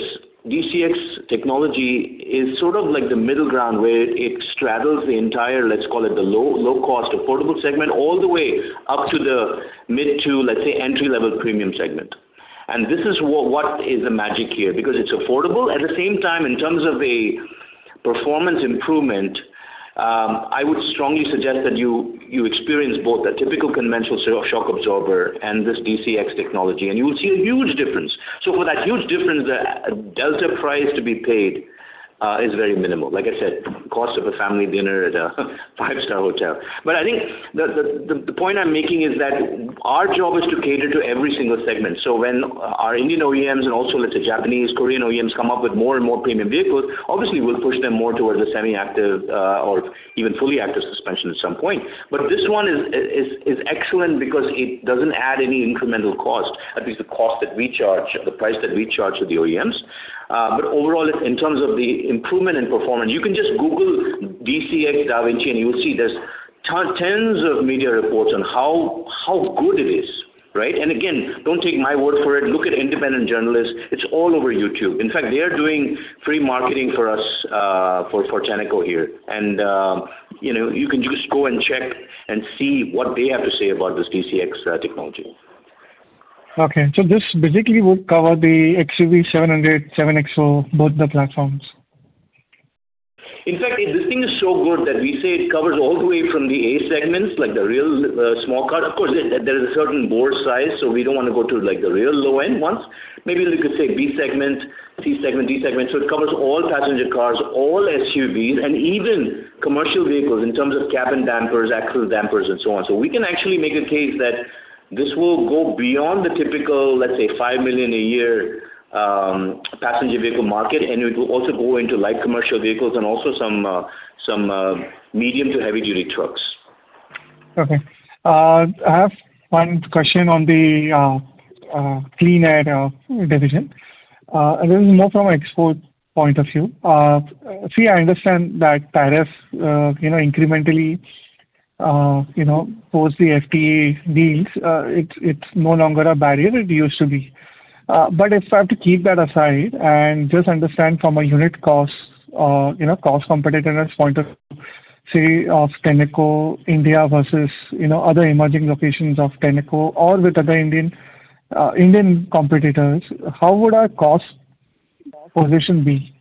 DCx technology is sort of like the middle ground, where it straddles the entire, let's call it, the low-cost, affordable segment, all the way up to the mid to, let's say, entry-level premium segment. And this is what is the magic here, because it's affordable. At the same time, in terms of a performance improvement, I would strongly suggest that you experience both the typical conventional shock absorber and this DCx technology, and you will see a huge difference. So for that huge difference, the delta price to be paid is very minimal. Like I said, cost of a family dinner at a five-star hotel. But I think the point I'm making is that our job is to cater to every single segment. So when our Indian OEMs and also, let's say, Japanese, Korean OEMs come up with more and more premium vehicles, obviously we'll push them more towards a semi-active or even fully active suspension at some point. But this one is excellent because it doesn't add any incremental cost, at least the cost that we charge, the price that we charge to the OEMs. But overall, in terms of the improvement in performance, you can just Google DaVinci DCx, and you will see there's tens of media reports on how good it is, right? And again, don't take my word for it. Look at independent journalists. It's all over YouTube. In fact, they are doing free marketing for us for Tenneco here. And you know, you can just go and check and see what they have to say about this DCx technology. Okay. This basically would cover the XUV700, 7XO, both the platforms? In fact, this thing is so good that we say it covers all the way from the A segments, like the real, small car. Of course, there, there is a certain bore size, so we don't want to go to, like, the real low-end ones. Maybe we could say B segment, C segment, D segment. So it covers all passenger cars, all SUVs, and even commercial vehicles, in terms of cabin dampers, axle dampers, and so on. So we can actually make a case that this will go beyond the typical, let's say, 5 million a year passenger vehicle market, and it will also go into light commercial vehicles and also some, some, medium to heavy-duty trucks. Okay. I have one question on the Clean Air division. This is more from an export point of view. See, I understand that tariffs, you know, incrementally, post the FTA deals, it's no longer a barrier it used to be. But if I have to keep that aside and just understand from a unit cost, you know, cost competitiveness point of view, say, of Tenneco India versus, you know, other emerging locations of Tenneco or with other Indian competitors, how would our cost position be?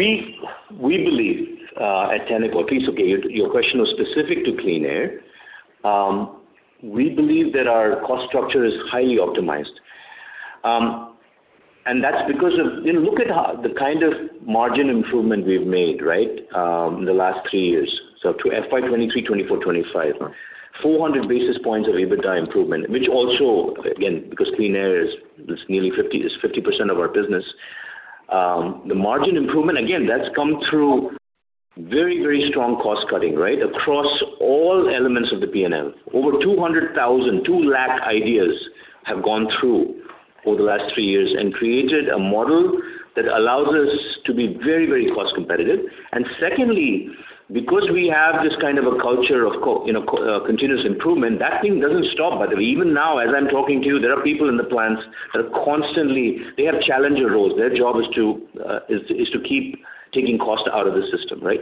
We, we believe at Tenneco, at least, okay, your question was specific to Clean Air. We believe that our cost structure is highly optimized. And that's because of—you know, look at how the kind of margin improvement we've made, right, in the last three years. So to FY 2023, 2024, 2025, 400 basis points of EBITDA improvement, which also, again, because Clean Air is nearly 50, is 50% of our business. The margin improvement, again, that's come through very, very strong cost cutting, right? Across all elements of the P&L. Over 200,000, 2 lakh ideas have gone through over the last three years and created a model that allows us to be very, very cost competitive. And secondly, because we have this kind of a culture of continuous improvement, that thing doesn't stop, by the way. Even now, as I'm talking to you, there are people in the plants that are constantly—they have challenger roles. Their job is to keep taking cost out of the system, right?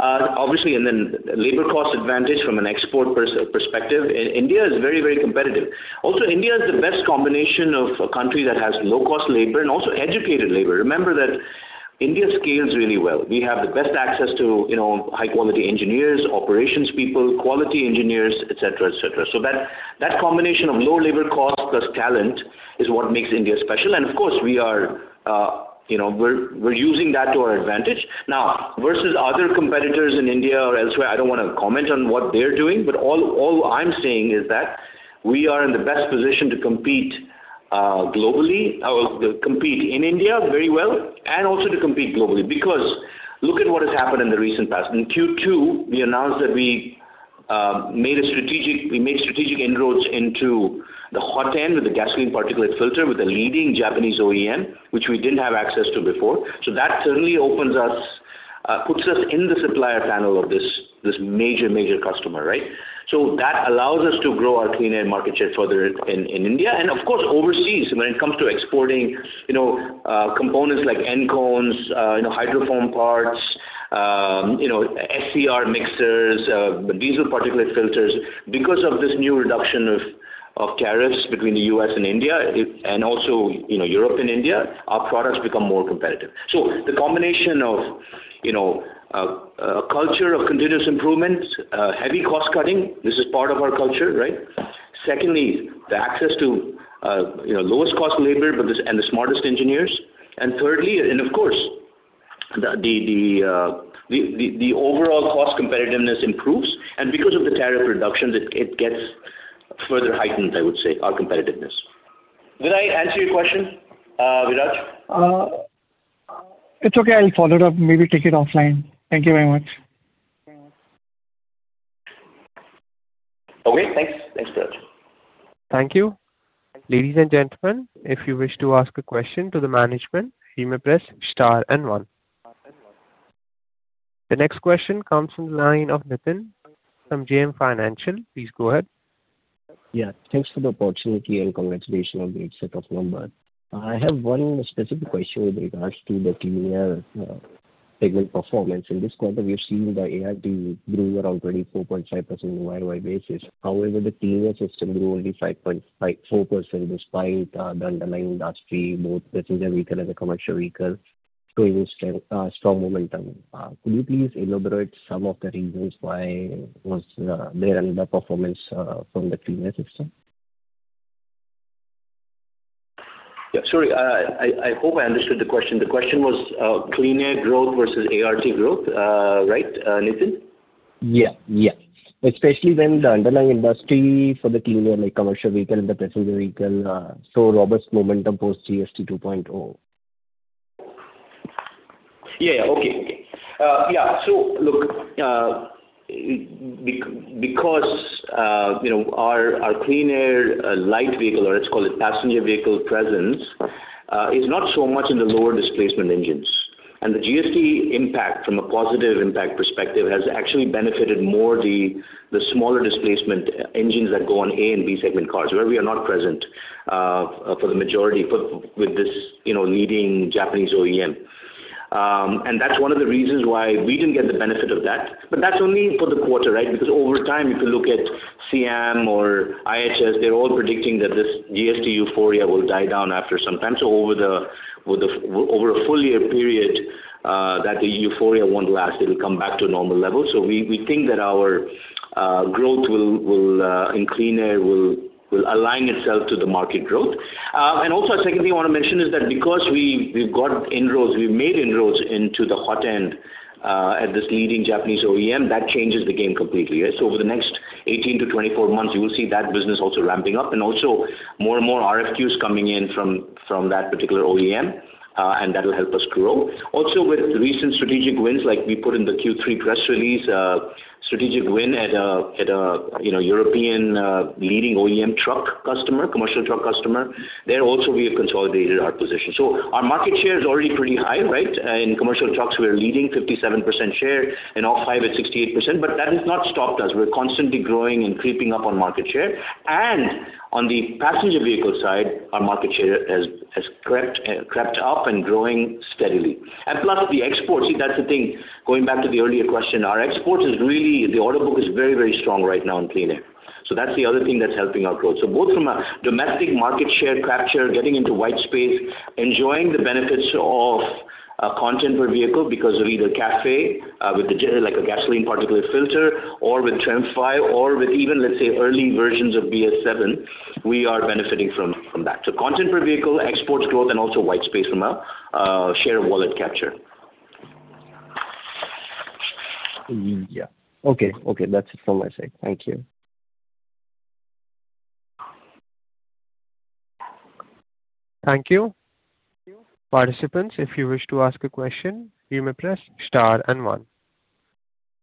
Obviously, and then labor cost advantage from an export perspective, India is very, very competitive. Also, India is the best combination of a country that has low-cost labor and also educated labor. Remember that India scales really well. We have the best access to, you know, high-quality engineers, operations people, quality engineers, et cetera, et cetera. So that combination of low labor cost plus talent is what makes India special, and of course, we are using that to our advantage. Now, versus other competitors in India or elsewhere, I don't wanna comment on what they're doing, but all, all I'm saying is that we are in the best position to compete globally, compete in India very well, and also to compete globally. Because look at what has happened in the recent past. In Q2, we announced that we made a strategic, we made strategic inroads into the hot end with the gasoline particulate filter with a leading Japanese OEM, which we didn't have access to before. So that certainly opens us, puts us in the supplier panel of this, this major, major customer, right? So that allows us to grow our Clean Air market share further in, in India and, of course, overseas. When it comes to exporting, you know, components like end cones, you know, hydrofoam parts, you know, SCR mixers, diesel particulate filters. Because of this new reduction of tariffs between the U.S. and India, it, and also, you know, Europe and India, our products become more competitive. So the combination of, you know, a culture of continuous improvement, heavy cost cutting, this is part of our culture, right? Secondly, the access to, you know, lowest cost labor, but this, and the smartest engineers. And thirdly, and of course, the overall cost competitiveness improves, and because of the tariff reductions, it gets further heightened, I would say, our competitiveness. Did I answer your question, Viraj? It's okay. I'll follow it up. Maybe take it offline. Thank you very much. Okay, thanks. Thanks, Viraj. Thank you. Ladies and gentlemen, if you wish to ask a question to the management, you may press star and one. The next question comes from the line of Nitin from JM Financial. Please go ahead. Yeah, thanks for the opportunity, and congratulations on the great set of numbers. I have one specific question with regards to the Clean Air segment performance. In this quarter, we've seen the ART grew around 24.5% on a YoY basis. However, the Clean Air system grew only 5.4%, despite the underlying industry, both the passenger vehicle and the commercial vehicle, showing strong strong momentum. Could you please elaborate some of the reasons why was there underperformance from the Clean Air system? Yeah, sorry. I hope I understood the question. The question was, Clean Air growth versus ART growth, right, Nitin? Yeah. Yeah. Especially when the underlying industry for the Clean Air, like commercial vehicle and the passenger vehicle, saw robust momentum post GST 2.0. Yeah, yeah. Okay. Okay. Yeah, so look, because, you know, our Clean Air, light vehicle, or let's call it passenger vehicle presence, is not so much in the lower displacement engines. And the GST impact from a positive impact perspective, has actually benefited more the smaller displacement engines that go on A and B segment cars, where we are not present, for the majority, with this, you know, leading Japanese OEM. And that's one of the reasons why we didn't get the benefit of that, but that's only for the quarter, right? Because over time, if you look at SIAM or IHS, they're all predicting that this GST euphoria will die down after some time. So over a full year period, that the euphoria won't last. It'll come back to normal levels. So we think that our growth in Clean Air will align itself to the market growth. And also a second thing I want to mention is that because we've made inroads into the hot end at this leading Japanese OEM, that changes the game completely, right? So over the next 18-24 months, you will see that business also ramping up, and also more and more RFQs coming in from that particular OEM, and that will help us grow. Also, with recent strategic wins, like we put in the Q3 press release, strategic win at a you know European leading OEM truck customer, commercial truck customer, there also we have consolidated our position. So our market share is already pretty high, right? In commercial trucks, we are leading 57% share, in off-highway, we're at 68%, but that has not stopped us. We're constantly growing and creeping up on market share. And on the passenger vehicle side, our market share has crept up and growing steadily. And plus, the exports, see, that's the thing, going back to the earlier question, our exports is really—the order book is very, very strong right now in Clean Air. So that's the other thing that's helping our growth. So both from a domestic market share capture, getting into white space, enjoying the benefits of, content per vehicle because of either CAFE, with the, like, a gasoline particulate filter, or with TREM V, or with even, let's say, early versions of BS VII, we are benefiting from, that. So content per vehicle, exports growth, and also white space from a share of wallet capture. Yeah. Okay, okay, that's it from my side. Thank you. Thank you. Participants, if you wish to ask a question, you may press star and one.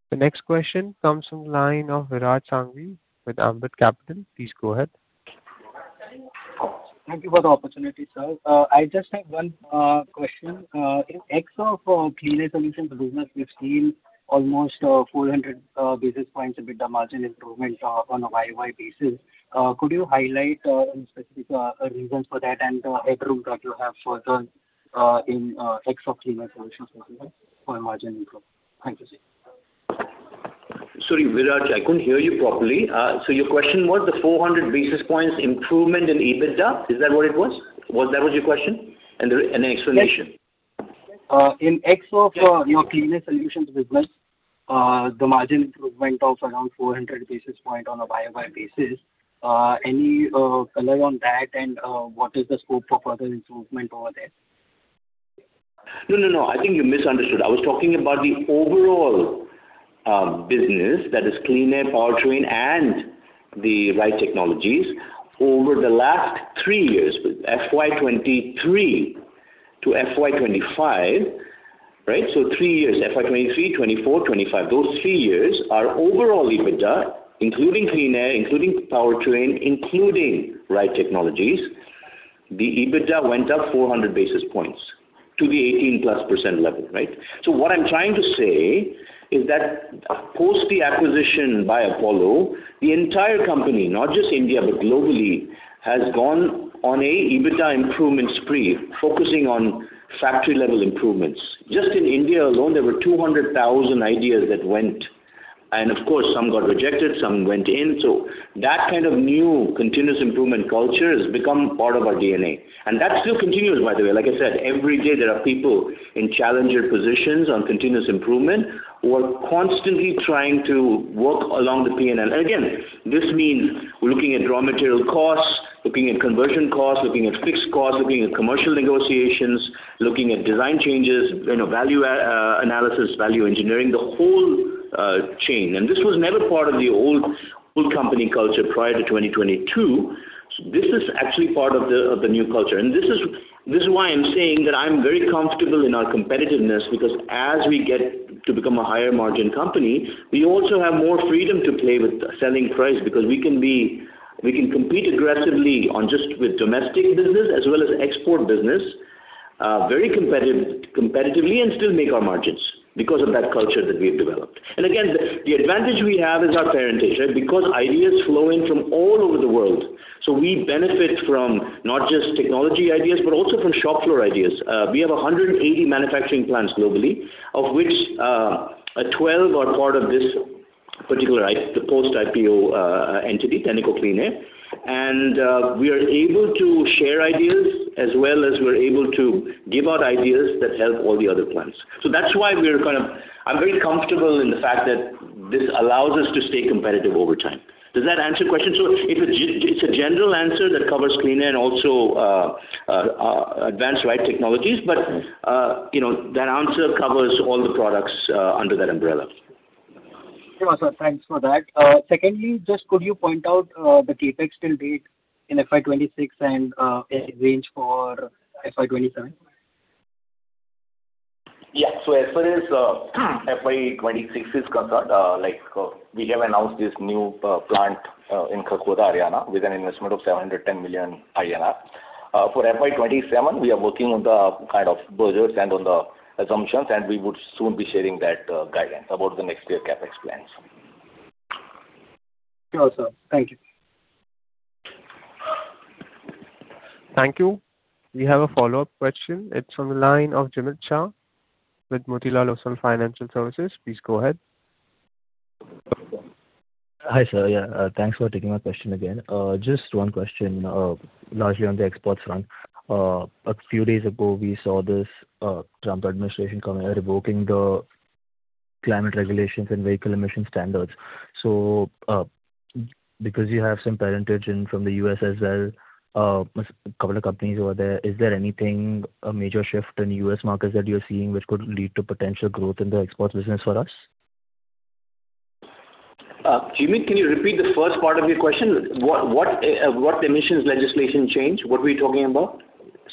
The next question comes from the line of Viraj Sanghvi with Ambit Capital. Please go ahead. Thank you for the opportunity, sir. I just have one question. In Clean Air business, we've seen almost 400 basis points EBITDA margin improvement on a YoY basis. Could you highlight any specific reasons for that and the headroom that you have further in Clean Air business for margin improvement? Thank you, sir. Sorry, Viraj, I couldn't hear you properly. So your question was the 400 basis points improvement in EBITDA, is that what it was? Was that your question? And the explanation. In your Clean Air Solutions business, the margin improvement of around 400 basis points on a YoY basis, any color on that, and what is the scope of further improvement over there? No, no, no, I think you misunderstood. I was talking about the overall business, that is Clean Air, Powertrain, and the ride technologies. Over the last 3 years, with FY 2023 to FY 2025, right? So 3 years, FY 2023, 2024, 2025, those 3 years, our overall EBITDA, including Clean Air, including Powertrain, including ride technologies, the EBITDA went up 400 basis points to the 18%+ level, right? So what I'm trying to say is that post the acquisition by Apollo, the entire company, not just India, but globally, has gone on a EBITDA improvement spree, focusing on factory-level improvements. Just in India alone, there were 200,000 ideas that went, and of course, some got rejected, some went in. So that kind of new continuous improvement culture has become part of our DNA. And that still continues, by the way. Like I said, every day there are people in challenger positions on continuous improvement who are constantly trying to work along the P&L. And again, this means we're looking at raw material costs, looking at conversion costs, looking at fixed costs, looking at commercial negotiations, looking at design changes, you know, value analysis, value engineering, the whole chain. And this was never part of the old, old company culture prior to 2022. So this is actually part of the new culture. And this is, this is why I'm saying that I'm very comfortable in our competitiveness, because as we get to become a higher margin company, we also have more freedom to play with selling price, because we can be, we can compete aggressively on just with domestic business as well as export business, very competitive, competitively, and still make our margins because of that culture that we've developed. And again, the, the advantage we have is our parentage, right? Because ideas flow in from all over the world. So we benefit from not just technology ideas, but also from shop floor ideas. We have 180 manufacturing plants globally, of which, 12 are part of this particular the post-IPO, entity, Tenneco Clean Air. We are able to share ideas as well as we're able to give out ideas that help all the other plants. So that's why we are kind of—I'm very comfortable in the fact that this allows us to stay competitive over time. Does that answer your question? So it's a general answer that covers Clean Air and also Advanced Ride Technologies, but you know, that answer covers all the products under that umbrella. Yeah, sir, thanks for that. Secondly, just could you point out the CapEx till date in FY 2026 and any range for FY 2027? Yeah. So as far as, FY 2026 is concerned, like, we have announced this new plant in Kharkhoda, Haryana, with an investment of 710 million INR. For FY 2027, we are working on the kind of budgets and on the assumptions, and we would soon be sharing that guidance about the next year CapEx plans. Sure, sir. Thank you. Thank you. We have a follow-up question. It's on the line of Jeemit Shah with Motilal Oswal Financial Services. Please go ahead. Hi, sir. Yeah, thanks for taking my question again. Just one question, largely on the exports front. A few days ago, we saw this, Trump administration coming out revoking the climate regulations and vehicle emission standards. So, because you have some parentage in from the U.S. as well, a couple of companies over there, is there anything, a major shift in U.S. markets that you're seeing which could lead to potential growth in the exports business for us? Jeemit, can you repeat the first part of your question? What emissions legislation change? What were you talking about?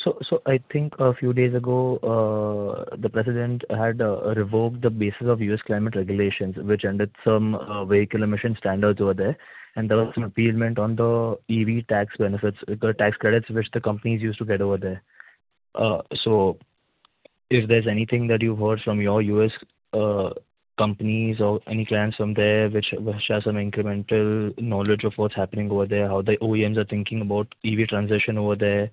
So, I think a few days ago, the president had revoked the basis of U.S. climate regulations, which ended some vehicle emission standards over there, and there was some appeasement on the EV tax benefits, the tax credits which the companies used to get over there. So if there's anything that you've heard from your U.S. companies or any clients from there which has some incremental knowledge of what's happening over there, how the OEMs are thinking about EV transition over there?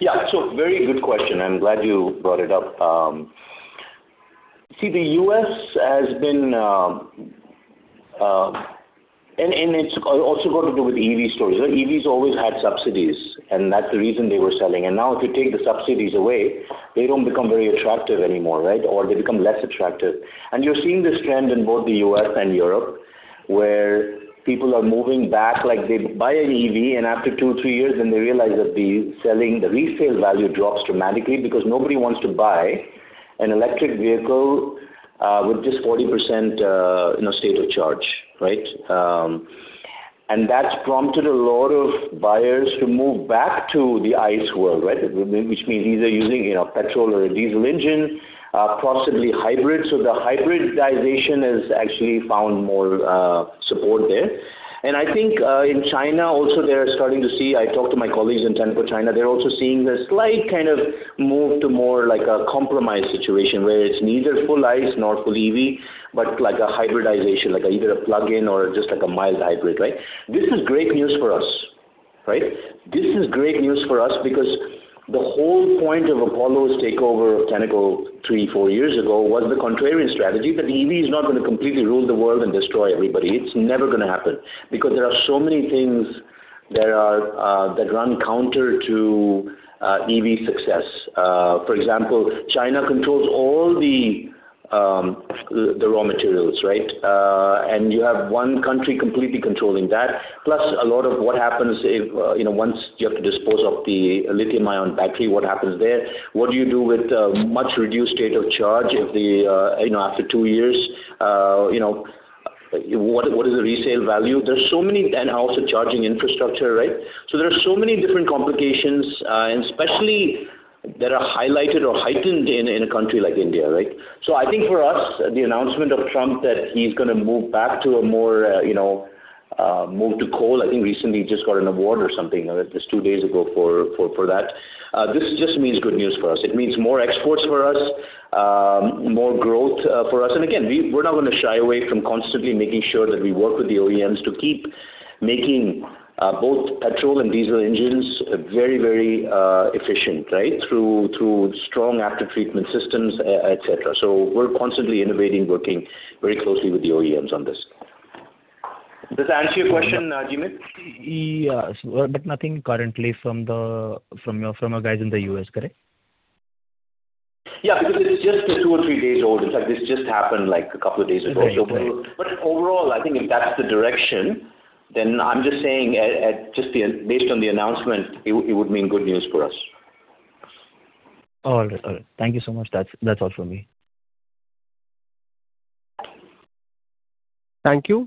Yeah, so very good question. I'm glad you brought it up. See, the U.S. has been, and it's also got to do with EV stories. EVs always had subsidies, and that's the reason they were selling. And now, if you take the subsidies away, they don't become very attractive anymore, right? Or they become less attractive. And you're seeing this trend in both the U.S. and Europe, where people are moving back. Like, they buy an EV, and after two, three years, then they realize that the resale value drops dramatically because nobody wants to buy an electric vehicle with just 40%, you know, state of charge, right? And that's prompted a lot of buyers to move back to the ICE world, right? Which means these are using, you know, petrol or a diesel engine, possibly hybrid. So the hybridization has actually found more support there. And I think in China also, they're starting to see. I talked to my colleagues in Tenneco, China. They're also seeing a slight kind of move to more like a compromise situation, where it's neither full ICE nor full EV, but like a hybridization, like either a plug-in or just like a mild hybrid, right? This is great news for us, right? This is great news for us because the whole point of Apollo's takeover of Tenneco 3-4 years ago was the contrarian strategy, that the EV is not gonna completely rule the world and destroy everybody. It's never gonna happen, because there are so many things that are that run counter to EV success. For example, China controls all the raw materials, right? And you have one country completely controlling that, plus a lot of what happens if, you know, once you have to dispose of the lithium ion battery, what happens there? What do you do with much reduced state of charge if the, you know, after two years, you know, what is the resale value? There's so many, and also charging infrastructure, right? So there are so many different complications, and especially that are highlighted or heightened in a country like India, right? So I think for us, the announcement of Trump, that he's gonna move back to a more, you know, move to coal. I think recently he just got an award or something, just two days ago, for that. This just means good news for us. It means more exports for us, more growth for us. And again, we're not gonna shy away from constantly making sure that we work with the OEMs to keep making both petrol and diesel engines very, very efficient, right? Through strong aftertreatment systems, et cetera. So we're constantly innovating, working very closely with the OEMs on this. Does that answer your question, Jeemit? Yes, but nothing currently from your guys in the U.S., correct? Yeah, because it's just two or three days old. It's like this just happened, like, a couple of days ago. Okay. Overall, I think if that's the direction, then I'm just saying based on the announcement, it would mean good news for us. All right. All right. Thank you so much. That's, that's all for me. Thank you.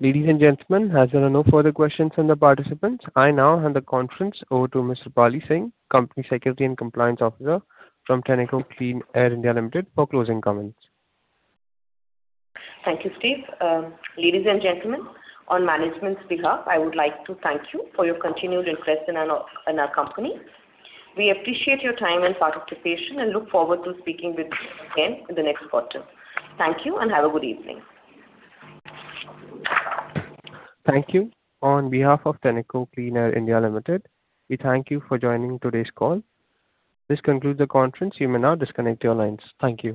Ladies and gentlemen, as there are no further questions from the participants, I now hand the conference over to Ms. Roopali Singh, Company Secretary and Compliance Officer from Tenneco Clean Air India Limited, for closing comments. Thank you, Steve. Ladies and gentlemen, on management's behalf, I would like to thank you for your continued interest in our, in our company. We appreciate your time and participation, and look forward to speaking with you again in the next quarter. Thank you, and have a good evening. Thank you. On behalf of Tenneco Clean Air India Limited, we thank you for joining today's call. This concludes the conference. You may now disconnect your lines. Thank you.